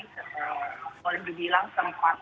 sudah terlihat sangat membantu